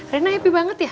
rena happy banget ya